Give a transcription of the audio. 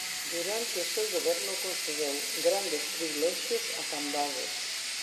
Durante o seu goberno concedeu grandes privilexios a Cambados.